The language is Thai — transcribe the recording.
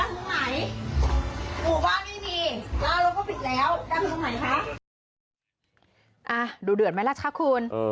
เอ้าดูเดือดมั้ยรักข้าคุณ